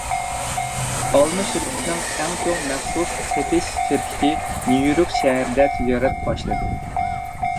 ئالما شىركىتىنىڭ ئەڭ چوڭ مەخسۇس سېتىش شىركىتى نيۇ يورك شەھىرىدە تىجارەت باشلىدى.